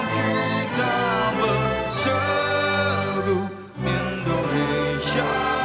pemirsa dan hadirin sekalian